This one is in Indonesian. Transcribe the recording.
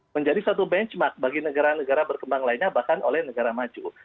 menjadi satu benchmark bagi negara negara berkembang lainnya bahkan oleh negara maju